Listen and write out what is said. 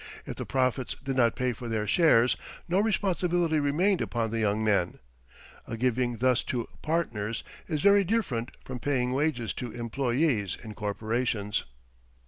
If the profits did not pay for their shares, no responsibility remained upon the young men. A giving thus to "partners" is very different from paying wages to "employees" in corporations.